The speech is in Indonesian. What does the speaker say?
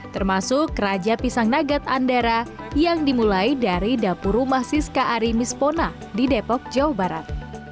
termasuk raja pisang nugat andara yang dimulai dari dapur rumah siska ari mispona di depok jawa barat